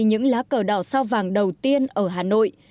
những lá cờ đỏ sao vàng đầu tiên ở hà nội